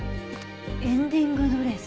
エンディングドレス？